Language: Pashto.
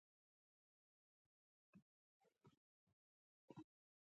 منډه د وجود دفاعي سیستم قوي کوي